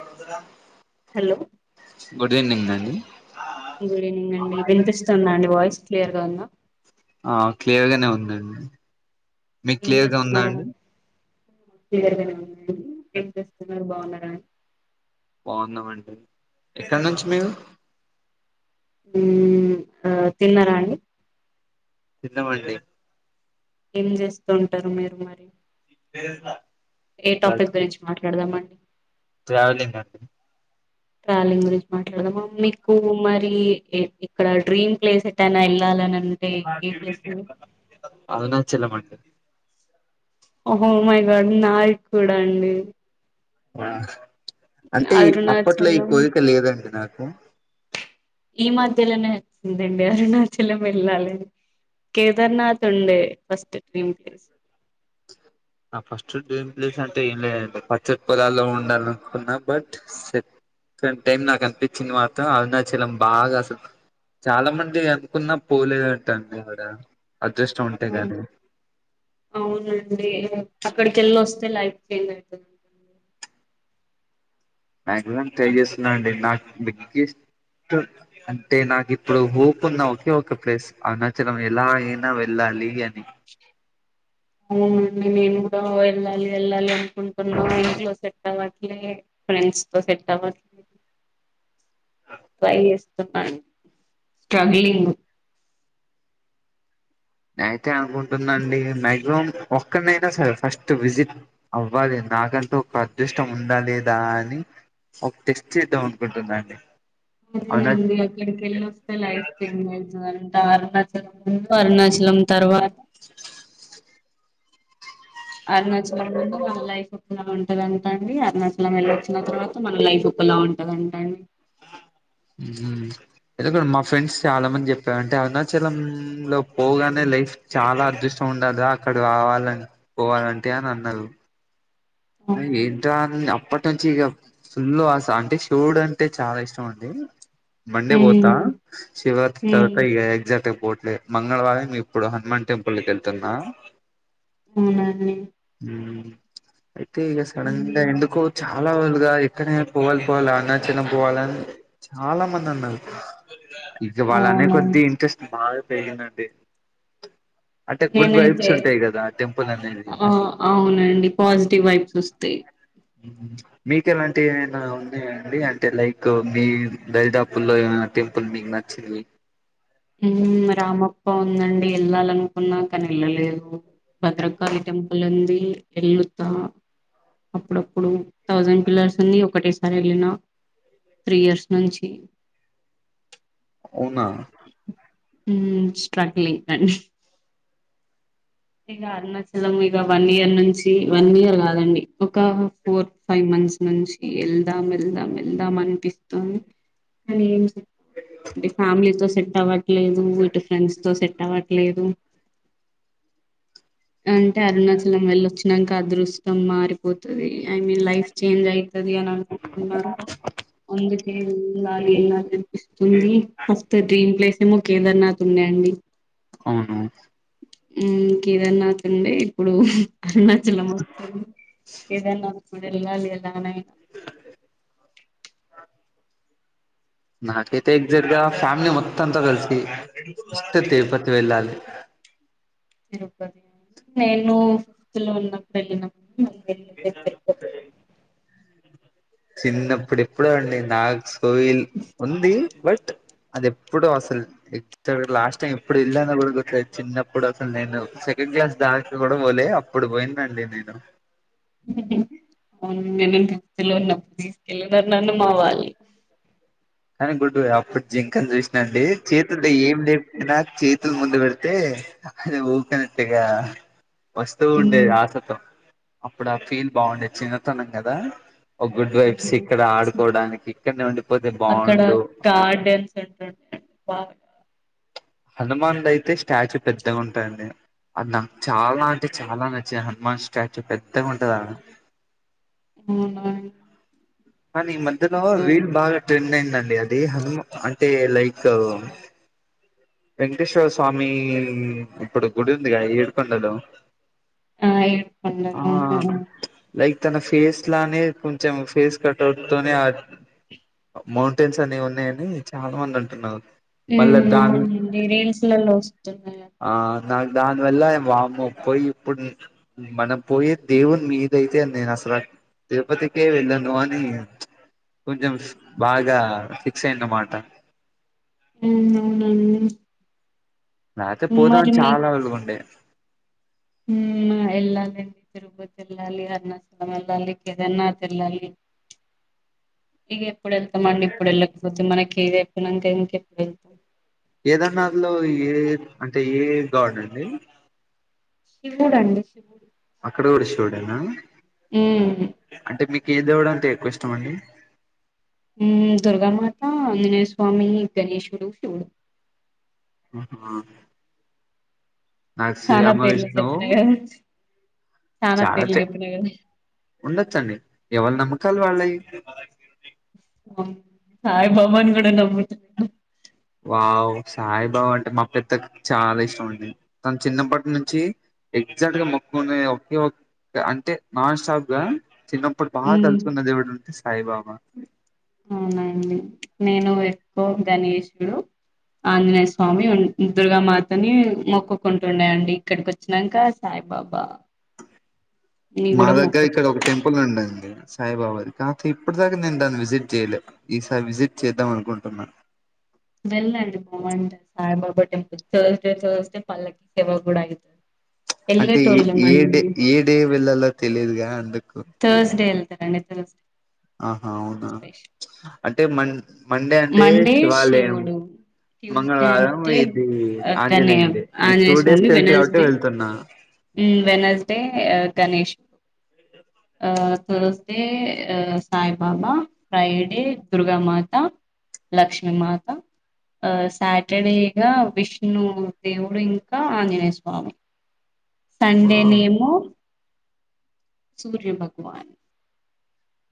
కొ hello [unintelligible] good evening అం మ్మ్ good evening అండి వినిపిస్తుందా అండి వాయిస్ క్లియర్ గ ఉందా ఆ క్లియర్గానే ఉందండి మీకు ఏం క్లియర్ గా ఉందా అండి చేస్తున్నారండి ఏం చేస్తున్నారు బాగున్నారా రా అండి బాగుంన్నామండి ఎక్కడ నుంచి మీరు మ్మ్ తిన్నారా అండి తిన్నాం అండి ఏం చేస్తూ ఉంటారు మీరు మరి పే [unintelligible] ఏ టాపిక్ గురించి మాట్లాడదాంమండి ట్రావెలింగ్ అండి ట్రావెలింగ్ గురించి మాట్లాడదామా మీకు మరి ఇక్కడ డ్రీమ్ ప్లేస్ ఎటైనా వెళ్ళాలిని అరుణాచలం అండి ఓహో మై గాడ్ నాది కూడా అండి అ అంటే అప్పట్లో ఈ అరుణాచలం కోరిక లేదండి నాకు ఎంటడి అరుణాచలమేల్లాలి కేదార్నాథ్ ఉండే ఫస్ట్ డ్రీమ్ ప్లేస్ నా ఫస్ట్ డ్రీమ్ ప్లేస్ అంటే ఏం లేదండి పచ్చటి పొలాల్లో ఉండాల అనుకున్నా బట్ సంటైం నాకు అనిపించింది మాత్రం అవనాాచలం బాగా అసలు చాలా మంది అనుకున్నా పోలేదంటండి అక్కడ అవునండి అక్కడికెళ్ళొస్తే లైఫ్ ఫెయిల్ అయితుంది మాక్సిమం ట్రై చేస్తున్నాండి నాకు బిగ్గెస్ట్ అంటే నాకు ఇప్పుడు హోప్ ఉన్న ఒకే ఒక ప్లేస్ అరుణాచలం ఎలా అయినా వెళ్ళాలి అని అవునండి నేను కూడా వెళ్ళాలి వెళ్ళాలి అనుకుంటున్నాను ఇంట్లో సెట్ అవ్వట్లేదు ఫ్రెండ్స్ తో సెట్ అవ్వట్లే ట్రై చెస్ స్ట్రగలింగ్ నే అయితే అనుకుంటున్నాండి మ్యాక్సిమం ఒక్కడినైనా సరే ఫస్ట్ విజిట్ అవ్వాలి నాకంటా ఒక అదృష్టం ఉందా లేదా అని ఒక టెస్ట్ చేద్దాం అనుకుంటుందండి అదేనండి అక్కడికిళ్ళి వస్తే లైఫ్ చేం అ అరుణాచలం అరుణాచలం తర్వాత అరుణాచలం వాళ్ లైఫ్ ఒకలా ఉంటదంట అండి అరుణసలం వెళ్ళ వచ్చిన తర్వాత మన లైఫ్ ఒకలా ఉంటదంట అండి. ఎ ఇక్కడ మా ఫ్రెండ్స్ చాలా మంది చెప్పారుంటే అరుణాచల లో పోగానే లైఫ్ చాలా అదృష్టం ఉండాలి అక్కడ రావాల పోవాలంటే అని అన్నారు. అ అవునా ఏంట అప్పటి నుంచి ఇక ఫుల్ల్లోస అంటే శివుడు అంటే చాలా ఇష్టం అండి మండే పోఓతా ఉమ్ శివరాత్రి ఉమ్ తర్వాత ఎక్జాక్ట్ పోట్. మంగళవారం ఇప్పుడు హనుమాన్ టెంపుల్కి వెళ్తున్నా అవునా ఉమ్ అయితే ఇక సడన్ గా ఎందుకో చాలా ఎక్కడనే పోవాలి పోవాలి అన్న చిన్న పోవాలని చాలా మంది అన్నారు. ఇక వాళ్ళనే అవునా కొద్ది ఇంట్రెస్ట్ బ పెందంటడి నేనైతే అనేది ఆ అవునండి పాజిటి. టివ్ వైబ్స్ వస్తాయి మీకు ఎలాంటివి ఏమైనా ఉన్నాయంండి అంటే లైక్ మీ దరిదాపు లో ఏ టెంపుల్ మీకు నచ్చింది. రామప్ప ఉందండి వెళ్ళాలనుకున్నా కానీ వెళ్ళలేదు భద్రకాలి టెంపు [unintelligible] ఎళతా అప్పుడప్పుడు థౌజండ్ పిలర్స్ ఉంది ఒకటేసారి వెళ్ళిన త్రీ ఇయర్స్ నుంచి. అవునా స్ట్రగ్లింగ్ అండి ఇక అరుణాచలం ఇక వన్ ఇయర్ నుంచి వన్ ఇయర్ కాదండి ఒక ఫోర్ ఫైవ్ మంత్స్ నుంచి వెళ్దాం వెళ్దాం వెళ్దాం అనిపిస్తుందినీ. అ ఫ్యామిలీతో సెట్ అవ్వట్లేదు ఇటు ఫ్రెండ్స్ తో సెట్ అవట్ లేదు అంటే అరుణాచలం వెళ్ళొచ్చినాక అదృష్టం మారిపోతది. ఐ మీన్ లైఫ్ చేంజ్ అవుతుంది అని అన్నారు అందుకే. అే [unintelligible] ఇస్తుంది ఫస్ట్ డ్రీమ్ ప్లేస్. మేమో కేదర్నాథ్ ఉన్నాయి అండి. అవునా కేదార్నాథ్ ఉండే ఇప్పుడు అరుణాచలం మొత్తం కేదార్నాథ్ ఇప్పుడు వేలాలి అలానే నాకైతే ఎక్జాక్ట్గా ఫ్యామిలీ మొత్త తో కలిసి ఫాస్ట్ తిరుపతి వెళాళ్లి. తిరుపతి నేను ఫిఫ్త్ లో ఉన్నప్పుడు వెళ్లిన వీ [unintelligible] చిన్నప్పుడు ఎప్పుడో అండి నాకు కోవిల్ ఉంది బట్ అది ఎప్పుడు అసలు ఎ లాస్ట్ టైం ఎప్పుడు ఎల్లానో కూడా చిన్నప్పుడు అసలు నేను సెకండ్ క్లాస్ దాకా కూడా పోలే అప్పుడు పోయిందండి నేను అవును నేను ఫీఫ్త్ లో ఉన్నప్పుడు తీసుకెళ్లి ఇల్లు నన్ను మా వాళ్ళు అనుకుంటారు అప్పుడు జింకని చూసినాండి చేతుల్లే ఏం లేకపోయినా చేతులు ముందు పెడితే అది ఊకనట్టుగా వస్తు ఉండేది ఉమ్ ఆశ తో అప్పుడు ఆ ఫీల్ బాగుండేది చిన్నతనం కదా ఒక గుడ్ వైప్స్ ఇక్కడ ఆడుకోవడానికి ఇక్కడనే ఉండిపోతే అక్కడ బాగుండు గార్డెన్స్ ఉంటుడి బాగా హనుమాన్ అయితే స్టాచ్యూ పెద్దగా ఉంటందండి అది నాకు చాలా అంటే చాలా నచ్చింది హనుమాన్ స్టాచ్యూ పెద్దగా ఉంటదాడ అవునా ఈ మధ్యలో ఇప్పుడు రిల్ బాగా ట్రెండ్ అయిం అండీ అది హనుమాన్ అంటే లైక్ వెంకటేశ్వర స్వామి ఇప్పుడు గుడి ఉందిగా ఏడుకొండలో ఆ ఏడుకొండలు ఆ లైక్ తన ఫేస్ లానే కొంచెం ఫేస్ కట్ అవుట్ తోనే ఆ మౌంటైన్స్ అనీ ఉన్నాయని చాలా మంది అంటున్నారు ఉ మళ్ళా దాని ఆవును ఈ రీల్స్ లలో వస్తున్నాయి ఆ నాకు దానివల్ల వామ్మో పోయి ఇప్పుడు మనం పోయే దేవుని మీదయితే నేను అసలు తిరుపతికే వెళ్ళను అని కొంచెం బాగా ఫిక్స్ అయ్యన్న అన్నమాట హామ్ అవునండి నాతో పోదాం అని చాలా [inaudible] గుండే. ఊమ్ హ ఎల్లాలండి తిరుపతెల్లాలి అరుణాచలం ఎళ్లాలి కేదర్నాథ్ ఎల్లాలి ఇగ ఎప్పుడు ఎళ్తమండి ఇప్పుడు ఎళ్ళకపోతే మనకి ఇదప్పనంక ఇంకెప్పుడు ఎళ్తవ్ కేదార్నాథ్ లో ఏ ఏ అంటే ఏ ఏ గాడ్ అండి. శివుడండి శివుడు అక్కడ కూడ షోడేనా ఊ కే దేవుడంటే ఎక్కువిష్టమండి హుమ్ దుర్గామాత ఆ ఆంజనేయస్వామి గణేశుడు శివుడు ఆహ నాక్ చాలా పేర్లు శ్రీరామవిష్ణువు చెప్పినా గదా! చాలా పేర్లు చాలాచే చెప్పినా గదా! ఉండొచ్చండి ఈవాళ నమ్మకం కల్వాలేయి అవును సాయిబాబాని గూడ నమ్ముత నేను వావ్ సాయిబాబా అంటే మా పెద్దక్కకి చాలా ఇష్టం అండి తను చిన్నప్పటి నుంచి ఎగ్జాక్ట్ గా మొక్కునే ఒకేఒక్ అంటే నాన్ స్టాప్గా. మ్ సాయిబాబా అవునా అండి నెేనువె ఓం గణేశుడు, ఆంజనేయస్వామి వున్, దుర్గామాతని మొక్కుకుంటుండే అండి ఇక్కడికి వచ్చినంక సాయిబాబా. ని మా గూడా దగ్గర ఇక్కడ మొక్కుతున్నా. ఒక టెంపుల్ ఉందండి సాయిబాబాది కాప్తే ఇప్పటి దాకా నేను దాన్ని విజిట్ చేయలే ఈసారి విజిట్ చేద్దాం అనుకుంటున్నాను వెళ్లండి బావుంటది సాయిబాబా టెంపుల్ థర్స్‌డే థర్స్‌డే పల్లకిసేవ కూడా అయితది అంటే ప్చ్ ఏ డే ఎళ్ళేటోళ్ళమండి. ఏ డే వెళ్ళలో తెలియదుగా అందుక్ థర్స్ డేన్ తానేస్తె గట్ ఆహా అవునా ప్చ్ అంటే మన్ మండే అంటే మండే శివాలయం, శివుడు ట్యూస్డే మంగళవారం అంటే ఇది గనే ఆంజనేయుందే, ఈ ఆంజనేయ టూడేస్ తెలుసు కాబట్టే వెళ్తున్నా. ఉ వెనస్డే గణేశ్ ఆ థర్స్‌డే ఆ సాయిబాబా ఫ్రైడే దుర్గామాత లక్ష్మీమాత ఆ సాటర్డే ఇగా విష్ణుదేవుడు ఇంకా ఆంజనేయస్వామి సండేనేమో సూర్యభగవాన్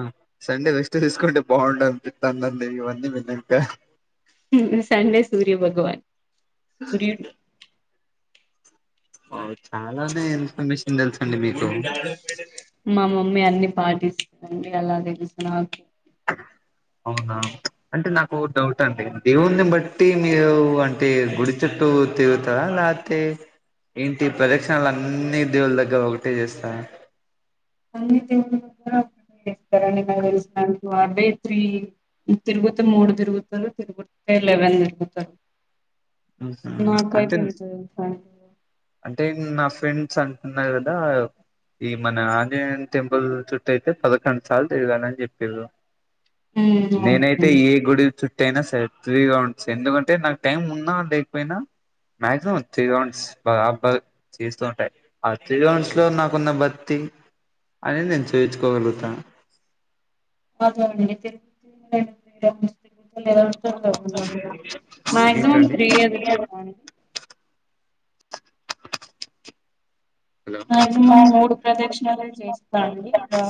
ఆ సండే రెస్టు దీసుకోయింటే బాండుఅనిపిత్తాందండి ఇవన్నీ వినింటే నిన్న సండే సూర్యభగవాన్ సూర్యున్న్ కి అవ్ చాలానే ఇన్ఫర్మేషన్ దెల్స్ మా మమ్మీ అన్ని పాటిస్ అన్ని అలా దెలుసు నాకి అవున అంటే నాకో డౌటండి దేవున్ని బట్టి మీరు అంటే గుడి చుట్టూ తిరుగుతారా ల్యాక్తే ఏంటి ప్రదక్షణాలన్నీ దేవుళ్లదగ్గర ఒగటే జేస్తార అన్ని దేవుళ్ల దగ్గర ఒకటే చెప్తారండీ నాకు తెలిసినంత వరకు అవే త్రీ తిరుగుతే మూడు తిరుగుతారు తిరుగుతే లెవెన్ తిరుగుతరు. నమస్కారం! అంటేన్ తెలుసండి అంటే నా ఫ్రెండ్. అంటున్నారు కదా ఈ మన ఆంజనేయుని టెంపుల్ చుట్ట అయితే పదకొండు సార్లు తిరగాలని చెప్పిర్రు మ్మ్ నేనైతే అవునండి ఏ గుడి చు అయినా సరే ఫ్రీ గా ఉంటే ఎందుకంటే నాకు టైం ఉం లేకపోయినా మాక్సిమం త్రీ రౌండ్స్ తీస్తూ ఉంటాయి ఆ త్రీ రౌండ్స్ లో నాకున్న భక్తి అని నేను చూయించుకోగలుగుతా అదే అండి తిరుగుతే లతు మాక్సిమం త్రీయే తిరుగుతామండి హలో మాక్సిమం మూడు ప్రదక్షణలే చేస్తా అండి ఇగా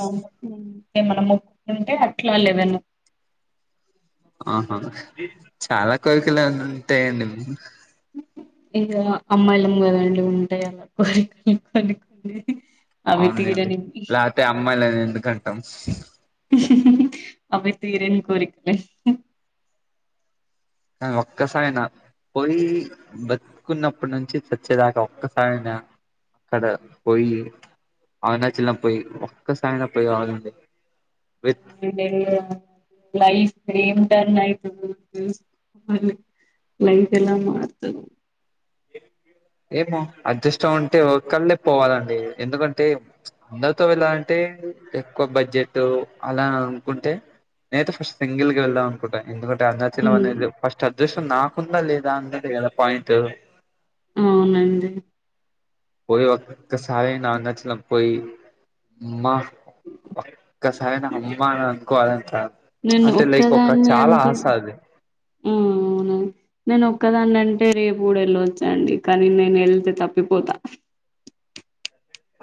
మనం మొక్కుకుంటే అట్లా లెవను ఆహా చాలా కోరికలు ఉంటాయండి ఇక అమ్మాయిలం కదండి ఉంటాయి అలా కోరికలు కోరిక అవునండి లేకతే అమ్మాయిలని ఎందుకంటాం అవి తీరని కోరికలే కానీ ఒక్కసారనా పోయి బతుకున్నప్పటి నుంచి చచ్చేదాకా ఒక్కసారయినా అక్కడ పోయి అరుణాచలం పోయి ఒక్కసారినా పోయి రావాలండి విత్ రెండు నెల్లు లైఫ్ ఏం టర్న్ అయితుందొ మళ్ళీ లైఫ్ ఎలా మారుతుం ఏమో అదృష్టం ఉంటే ఒక్కలే పోవాలండి ఎందుకంటే అందరితో వెళ్ళాలంటే ఎక్కువ బడ్జెట్ అలా అనుకుంటే నేనైతే తో ఫస్ట్ సింగిల్ గా వెళ్దాంఅనుకుంట ఎందుక అరుణాచలం హ్మ్, అనేది ఫస్ట్ అదృష్టం నాకుందా లేదా అన్నది గదా పాయింట్ అవునండి పోయి ఒక్కసారైనా అరుణాచలం పోయి మా ఒక్కసారైనా అమ్మానాన్న క్వాలెంటాన్ నన్ను ఒక్కదాన్ని అంటే అది ఉ అవునా నేను ఒక్కదాన్ని అంటే రేపు గూడా వెళ్ళొచ్చండి కానీ నేను వెళ్ళితే తప్పిపోతా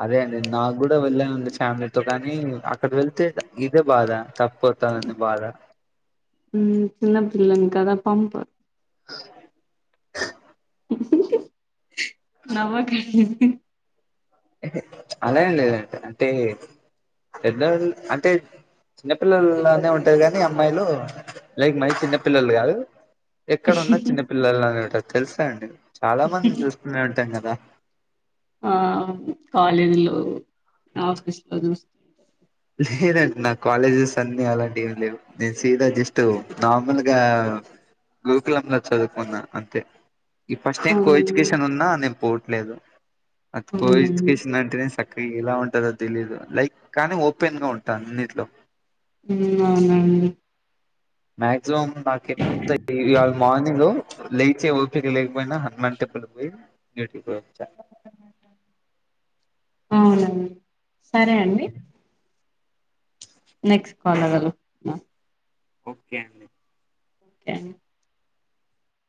అదే అండి నాకు గూడా వెళ్ళాలని ఉంది ఫ్యామిలీతో కానీ అక్కడ వెళ్తే ఇదే బాధ తప్ప మ్ చిన్నపిల్లలను కదా పంపు [inaudible] [inaudible] నవ్వకండి హు అలా ఏం లేదండి అంటే పెదోళ్లు అంటే చిన్నపిల్లల్లాగానే ఉంటది గానీ అమ్మాయిలు లైక్ మరి చిన్నపిల్లలు గాదు ఎక్కడున్నా చిన్న పిల్లలా గానే ఉంటది తెలుసా అండి చాలా మందిని చూస్తునే ఉంటాం గదా ఆ కాలేజీలో ఆఫీస్ లో చూస్త లేదండి నా కాలేజెస్ అన్ని అలాంటి ఏమి లేవ్ నేను సీదా జస్ట్ నార్మల్గా గోకులం లో చదువుకున్నా అంతే ఈ ఫస్ట్ టైమ్ కో అవునండి ఎడ్యుకేషన్ ఉన్నా నేను పోన్ లేదు అది కో అవునండి ఎడ్యుకేషన్ అంటనే సక్క ఇలా ఉంటందో తెలీదు లైక్ కానీ ఒప్ ఉపెన్ గా ఉంటా అన్నీటిలో హ్మ్మ్ అవూనా అండి మాక్సిమమ్ నాకు ఎంత ఇవాళ మార్నింగ్ లేచే ఓపకి లేకపోయినా హనుమాన్ టెపుల్ పోయి డ్యూటీకి పోయి వచ్చా అవునా సరే అండి నెక్స్ట్ కాల్ ఎవరు ఓకే అండి ట్యాంక్